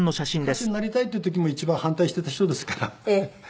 歌手になりたいという時も一番反対していた人ですから。